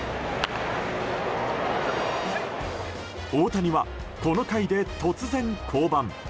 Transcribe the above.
大谷は、この回で突然降板。